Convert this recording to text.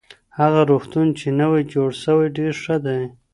هغه روغتون چی نوی جوړ سوی ډېر ښه دی.